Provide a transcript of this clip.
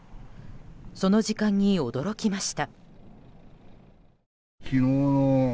その時間に驚きました。